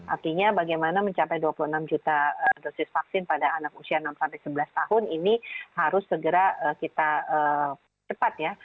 artinya bagaimana mencapai dua puluh enam juta dosis vaksin pada anak usia enam sebelas tahun ini harus segera kita cepat ya